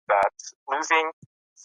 يا ئې کول نۀ غواړي